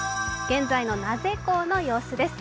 現在の名瀬港の様子です。